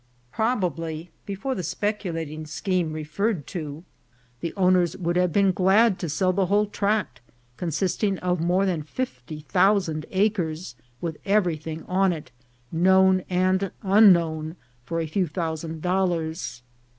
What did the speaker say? Probably, be fore the speculating scheme referred to, the owners would have been glad to sell the whole tract, consisting of more than fifty thousand acres, with everything on it, known and unknown, for a few thousand dollars.